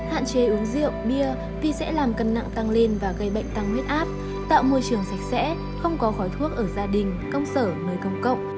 hạn chế uống rượu bia vì sẽ làm cân nặng tăng lên và gây bệnh tăng huyết áp tạo môi trường sạch sẽ không có khói thuốc ở gia đình công sở nơi công cộng